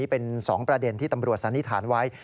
เป็น๒ประเด็นที่ตำรวจสันนิษฐานไว้